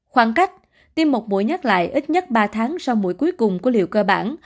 khoảng cách tiêm một mũi nhắc lại ít nhất ba tháng sau mũi cuối cùng của liệu cơ bản